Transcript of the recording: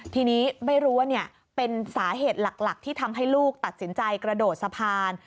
ทีนี้ไม่รู้ว่าเป็นสาเหตุหลักที่ทำให้ลูกตัดสินใจกระโดดสะพาน